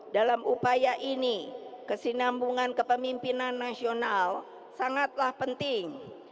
dalam upaya ini kesinambungan kepemimpinan nasional sangatlah penting